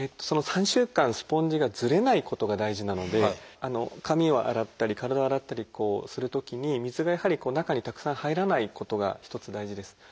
その３週間スポンジがずれないことが大事なので髪を洗ったり体を洗ったりするときに水がやはり中にたくさん入らないことが一つ大事です。